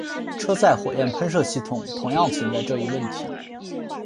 车载火焰喷射系统同样存在这一问题。